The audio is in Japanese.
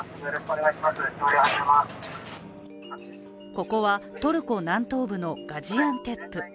ここはトルコ南東部のガジアンテップ。